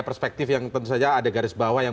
perspektif yang tentu saja ada garis bawah yang